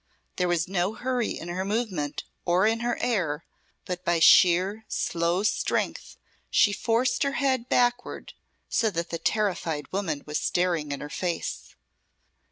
There was no hurry in her movement or in her air, but by sheer, slow strength she forced her head backward so that the terrified woman was staring in her face.